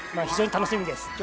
非常に楽しみです。